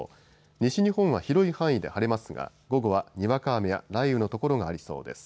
西日本は広い範囲で晴れますが午後はにわか雨や雷雨の所がありそうです。